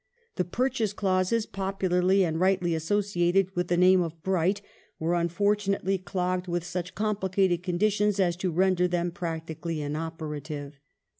^ The purchase clauses, populai ly and rightly associated with the name of Bright, were unfortunately clogged with such complicated conditions as to render them practically inoperative.